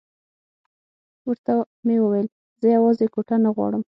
ورته مې وویل زه یوازې کوټه نه غواړم.